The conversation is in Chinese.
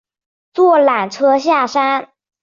坐缆车下山